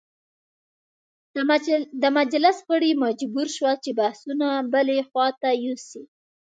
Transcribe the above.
د مجلس غړي مجبور شول چې بحثونه بلې خواته یوسي.